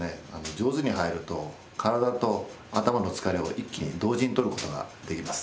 上手に入ると体と頭の疲れを一気に同時にとることができます。